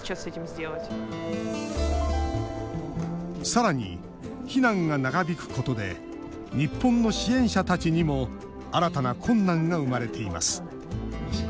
さらに、避難が長引くことで日本の支援者たちにも新たな困難が生まれています。